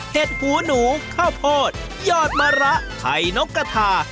หูหนูข้าวโพดยอดมะระไข่นกกระทา